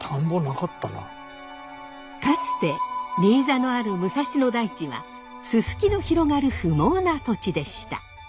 かつて新座のある武蔵野台地はススキの広がる不毛な土地でした。